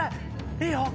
いいよ。